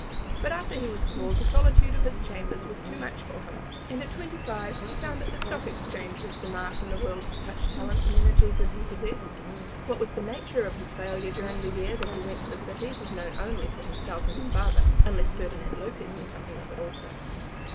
But after he was called the solitude of his chambers was too much for him, and at twenty five he found that the Stock Exchange was the mart in the world for such talents and energies as he possessed. What was the nature of his failure during the year that he went into the city, was known only to himself and his father, unless Ferdinand Lopez knew something of it also.